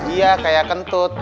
iya kayak kentut